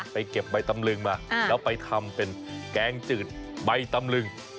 เก็บใบตำลึงมาแล้วไปทำเป็นแกงจืดใบตำลึง